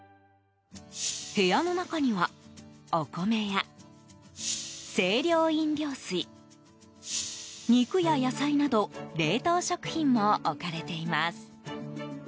部屋の中にはお米や清涼飲料水、肉や野菜など冷凍食品も置かれています。